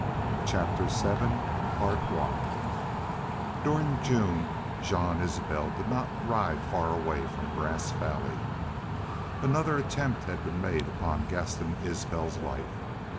CHAPTER VII During June Jean Isbel did not ride far away from Grass Valley. Another attempt had been made upon Gaston Isbel's life.